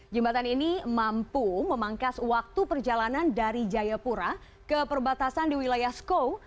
jembatan ini mampu memangkas waktu perjalanan dari jayapura ke perbatasan di wilayah schoo